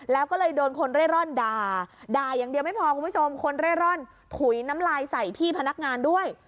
แล้วก็เลยโดนคนเร่ร่อนด่าด่าอย่างเดียวไม่พอคุณผู้ชมคนเร่ร่อนถุยน้ำลายใส่พี่พนักงานด้วย